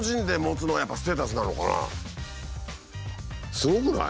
すごくない？